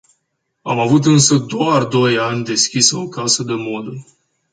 Am avut însă doar doi ani deschisă o casă de modă.